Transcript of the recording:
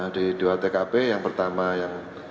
di dua tkp yang pertama yang